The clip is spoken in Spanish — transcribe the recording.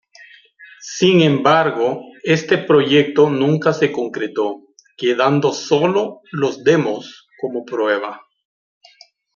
Sin embargo este proyecto nunca se concretó, quedando solo los demos como prueba.